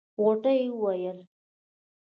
غوټۍ وويل.